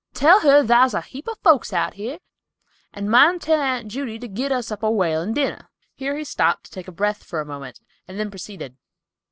Tell her thar's heaps of folks here, and mind tell Aunt Judy to get us up a whalin' dinner." Here he stopped to take breath for a moment, and then proceeded.